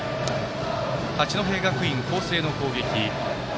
八戸学院光星の攻撃。